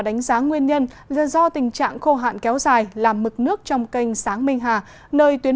đánh giá nguyên nhân do tình trạng khô hạn kéo dài làm mực nước trong kênh sáng minh hà nơi tuyến